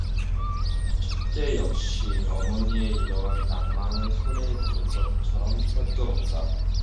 첫째 역시 어머니의 이러한 낙망을 손에 든 것처럼 꿰뚫었다.